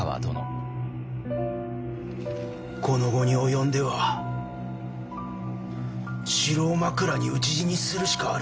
この期に及んでは城を枕に討ち死にするしかあるまい。